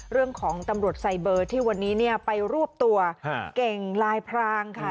เรื่องของตำรวจไซเบอร์ที่วันนี้เนี่ยไปรวบตัวเก่งลายพรางค่ะ